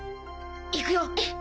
行くよ。